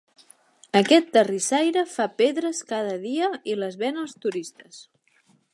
Aquest terrissaire fa pedres cada dia i les ven als turistes.